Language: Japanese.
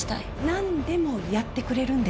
何でもやってくれる？